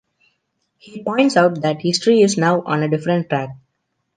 He points out that history is now on a different track.